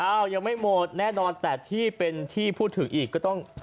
ยังไม่หมดแน่นอนแต่ที่เป็นที่พูดถึงอีกก็ต้อง